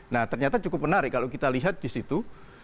nah ternyata cukup menarik kalau kita lihat di situ